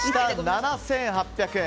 ７８００円。